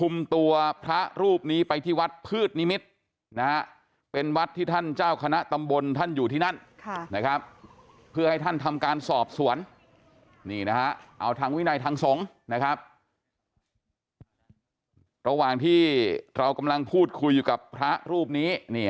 มากิบนิมนต์ไม่ใช่มาอยู่มานอนมากินนอนอยู่ที่นี่